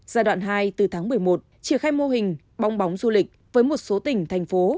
giai đoạn hai từ tháng một mươi một triển khai mô hình bong bóng du lịch với một số tỉnh thành phố